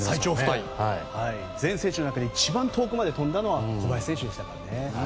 全選手の中で一番遠くまで飛んだのは小林選手でしたからね。